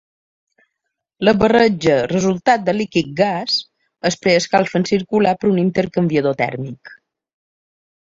La barreja resultat de líquid-gas es preescalfa en circular per un intercanviador tèrmic.